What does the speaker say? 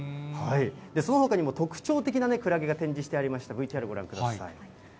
そのほかにも特徴的なクラゲが展示してありました、ＶＴＲご覧ください。